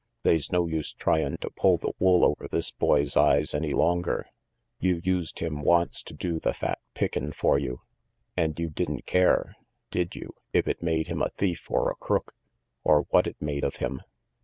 They's no use tryin 5 to pull the wool over this boy's eyes any longer. You used him once to do the fat pickin' for you, an' you did'n care, did you, if it made him a thief or a crook, or what it made of him?